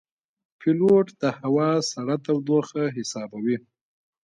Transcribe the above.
پیلوټ د هوا سړه تودوخه حسابوي.